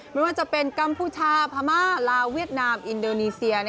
ไม่ว่าจะเป็นกัมพูชาพม่าลาวเวียดนามอินโดนีเซีย